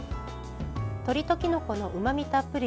鶏ときのこのうまみたっぷり！